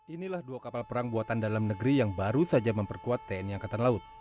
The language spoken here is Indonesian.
inilah dua kapal perang buatan dalam negeri yang baru saja memperkuat tni angkatan laut